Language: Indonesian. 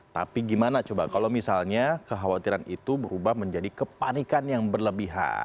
tapi gimana coba kalau misalnya kekhawatiran itu berubah menjadi kepanikan yang berlebihan